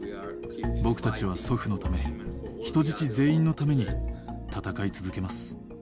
僕たちは祖父のため、人質全員のために戦い続けます。